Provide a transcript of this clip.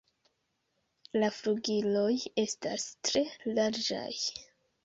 La flugiloj estas tre larĝaj.